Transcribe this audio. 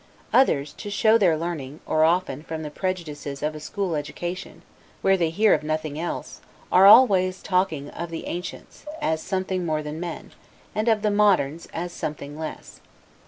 Others, to show their learning, or often from the prejudices of a school education, where they hear of nothing else, are always talking of the ancients, as something more than men, and of the moderns, as something less.